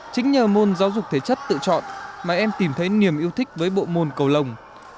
chính nhờ môn giáo dục thể chất tự chọn mà em tìm thấy niềm yêu thích với bộ môn cầu lồng